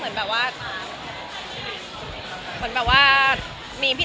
ก็เลยเอาข้าวเหนียวมะม่วงมาปากเทียน